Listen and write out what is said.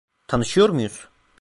Tanışıyor muyuz?